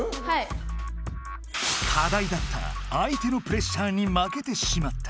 かだいだった相手のプレッシャーにまけてしまった。